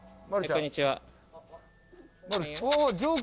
こんにちは。